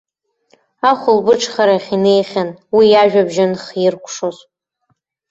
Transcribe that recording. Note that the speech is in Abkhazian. Ахәылбыҽхарахь инеихьан, уи иажәабжь анхиркәшоз.